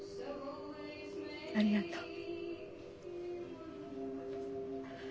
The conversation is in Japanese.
ありがとう。